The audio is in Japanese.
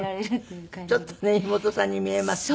ちょっとね妹さんに見えますね。